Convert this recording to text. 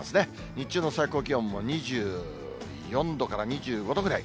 日中の最高気温も２４度から２５度ぐらい。